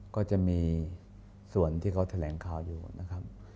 ก็จะมีส่วนที่เขาแถลงข่าวอยู่นะครับ